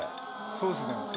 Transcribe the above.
そうっすね。